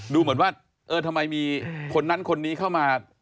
ดูเหมือนว่าเออทำไมมีคนนั้นคนนี้เข้ามา